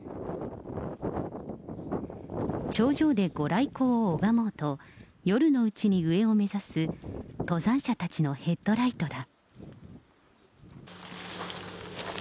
頂上で御来光を拝もうと夜のうちに上を目指す登山者たちのヘッドライトだ。